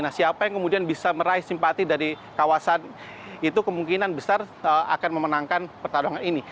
nah siapa yang kemudian bisa meraih simpati dari kawasan itu kemungkinan besar akan memenangkan pertarungan ini